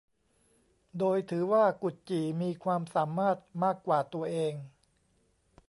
โดยถือว่ากุดจี่มีความสามารถมากกว่าตัวเอง